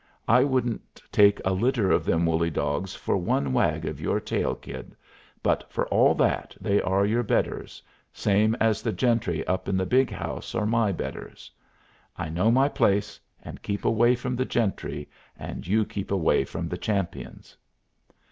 I wouldn't take a litter of them woolly dogs for one wag of your tail, Kid, but for all that they are your betters, same as the gentry up in the big house are my betters. I know my place and keep away from the gentry, and you keep away from the champions."